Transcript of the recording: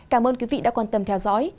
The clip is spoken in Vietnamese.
cảm ơn quý vị đã quan tâm theo dõi